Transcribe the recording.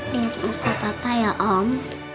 lihat muka papa ya om